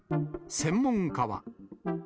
専門家は。